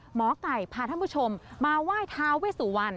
หมอไก่พาท่านผู้ชมมาไหว้ทาเวสุวรรณ